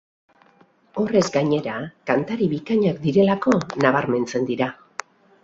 Horrez gainera, kantari bikainak direlako nabarmentzen dira.